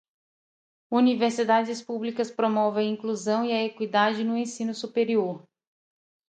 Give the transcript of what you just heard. Universidades públicas promovem a inclusão e a equidade no ensino superior.